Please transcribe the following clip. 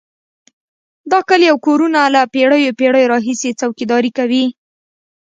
دا کلي او کورونه له پېړیو پېړیو راهیسې څوکیداري کوي.